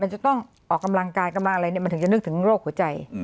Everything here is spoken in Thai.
จะต้องออกกำลังกายกำลังอะไรมันถึงจะนึกถึงโรคหัวใจ